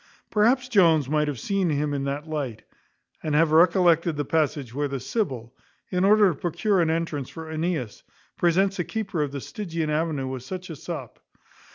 Perhaps Jones might have seen him in that light, and have recollected the passage where the Sibyl, in order to procure an entrance for Aeneas, presents the keeper of the Stygian avenue with such a sop.